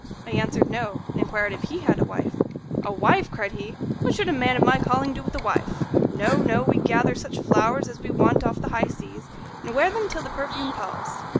I answered, No, and inquired if he had a wife. "A wife!" cried he; "what should a man of my calling do with a wife? No, no! we gather such flowers as we want off the high seas, and wear them till the perfume palls.